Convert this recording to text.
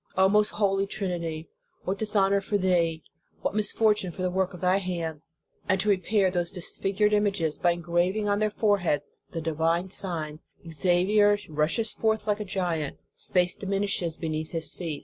O most holy Trinity! What dishonor for Thee! What misfor tune for the work of Thy hands ! And to repair those disfigured images by engraving on their foreheads the divine sign, Xavier rushes forward like a giant. Space dimin ishes beneath his feet.